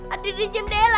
ada di jendela